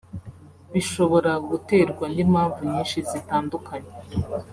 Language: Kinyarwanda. bishobora guterwa ni mpamvu nyinshi zitandukanye